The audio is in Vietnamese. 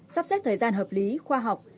sắp xét thời gian hợp lý khoa học